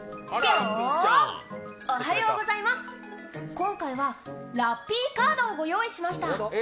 今回は、ラッピーカードをご用意しました。